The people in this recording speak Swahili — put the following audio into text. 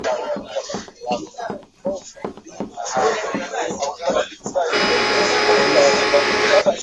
Bingovu bina fanyaka myezi tatu pa kukomea